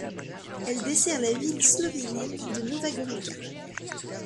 Elle dessert la ville slovénienne de Nova Gorica.